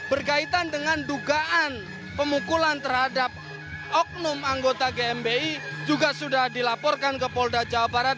berkaitan dengan dugaan pemukulan terhadap oknum anggota gmbi juga sudah dilaporkan ke polda jawa barat